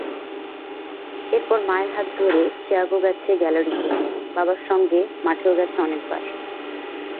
এরপর মায়ের হাত ধরে থিয়াগো গেছে গ্যালারিতে, বাবার সঙ্গে মাঠেও গেছে অনেকবার।